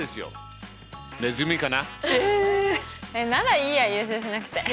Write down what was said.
ならいいや優勝しなくて。